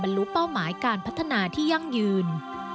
รู้เป้าหมายการพัฒนาที่ยั่งยืน